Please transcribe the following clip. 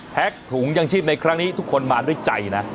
ถุงยังชีพในครั้งนี้ทุกคนมาด้วยใจนะ